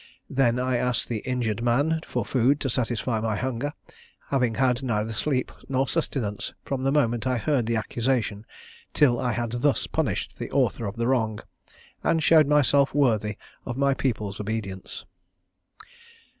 Then I asked the injured man for food to satisfy my hunger, having had neither sleep nor sustenance from the moment I heard the accusation till I had thus punished the author of the wrong, and showed myself worthy of my people's obedience."